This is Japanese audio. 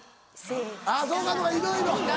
あぁそうかそうかいろいろ。